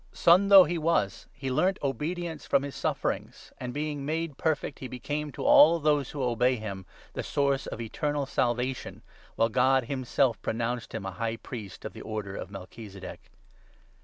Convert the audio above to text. Son though he was, he learnt obedience 8 from his sufferings ; and, being made perfect, he became to all 9 those who obey him the source of eternal Salvation, while God himself pronounced him a High Priest of the order of 10 Melchizedek.